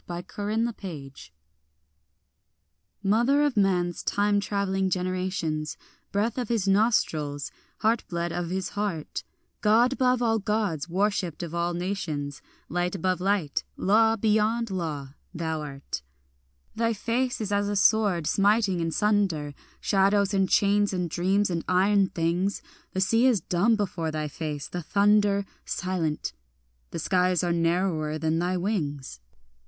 MATER TRIUMPHALIS MOTHER of man's time travelling generations, Breath of his nostrils, heartblood of his heart, God above all Gods worshipped of all nations, Light above light, law beyond law, thou art. Thy face is as a sword smiting in sunder Shadows and chains and dreams and iron things; The sea is dumb before thy face, the thunder Silent, the skies are narrower than thy wings.